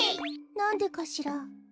なんでかしら？